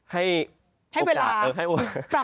ให้ให้เวลาปรับตัวล่ะ